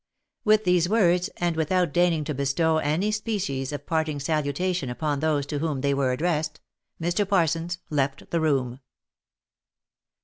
With these words, and without deigning to bestow any species of parting salutation upon those to whom they were addressed, Mr. Parsons left the room.